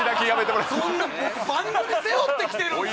そんな僕番組背負ってきてるんすよ